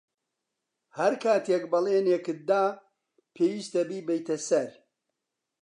ھەر کاتێک بەڵێنێکت دا، پێویستە بیبەیتە سەر.